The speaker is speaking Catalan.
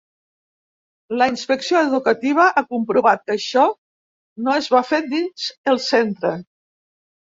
La inspecció educativa ha comprovat que això no es va fer dins el centre.